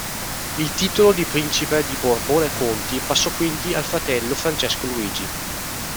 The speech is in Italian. Il titolo di principe di Borbone-Conti passò quindi al fratello Francesco Luigi.